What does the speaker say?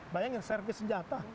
bayangin service senjata